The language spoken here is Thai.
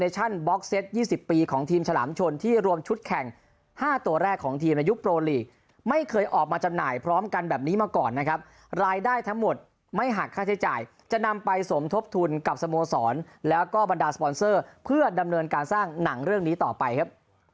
ทั้งหมดไม่หักค่าใช้จ่ายจะนำไปสมทบทุนกับสโมสรแล้วก็บรรดาสปอนเซอร์เพื่อดำเนินการสร้างหนังเรื่องนี้ต่อไปครับ